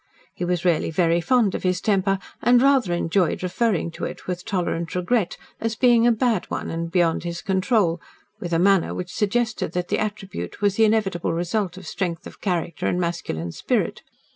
He was really very fond of his temper, and rather enjoyed referring to it with tolerant regret as being a bad one and beyond his control with a manner which suggested that the attribute was the inevitable result of strength of character and masculine spirit.